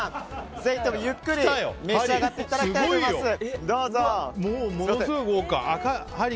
ぜひともゆっくり召し上がっていただきたいとものすごい豪華！